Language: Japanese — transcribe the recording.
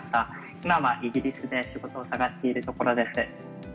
今はイギリスで仕事を探しているところです。